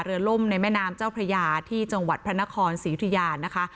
ล่มในแม่น้ำเจ้าพระยาที่จังหวัดพระนครศรียุธิยานะคะ